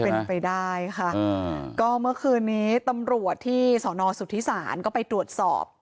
เป็นไปได้ค่ะก็เมื่อคืนนี้ตำรวจที่สอนอสุทธิศาลก็ไปตรวจสอบ